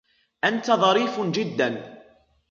انت ظريف جدا.